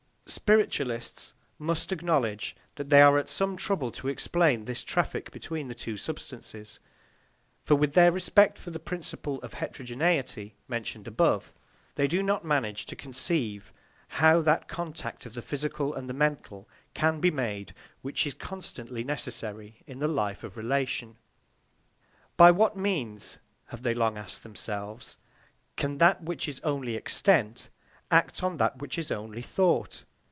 Spiritualists must acknowledge that they are at some trouble to explain this traffic between the two substances; for, with their respect for the principle of heterogeneity mentioned above, they do not manage to conceive how that contact of the physical and the mental can be made which is constantly necessary in the life of relation. By what means, have they long asked themselves, can that which is only extent act on that which is only thought?